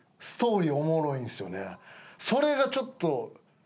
それがちょっと。